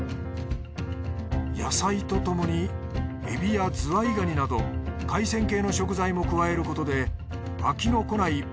野菜とともにエビやズワイガニなど海鮮系の食材も加えることで飽きのこない